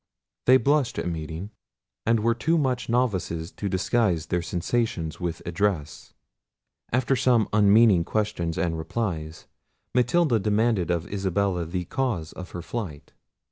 They blushed at meeting, and were too much novices to disguise their sensations with address. After some unmeaning questions and replies, Matilda demanded of Isabella the cause of her flight?